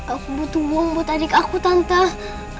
aku butuh uang buat adik aku tantah